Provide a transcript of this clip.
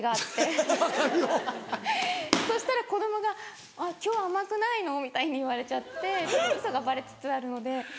そしたら子供が「あっ今日は甘くないの？」みたいに言われちゃってちょっとウソがバレつつあるので。